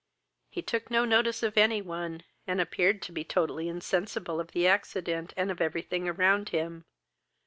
He took no notice of any one, and appeared to be totally insensible of the accident, and of every thing around him.